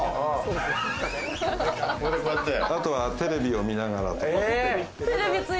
あとはテレビを見ながらとか。